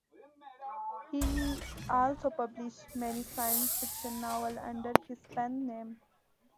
He also published many science fiction novels under his pen name.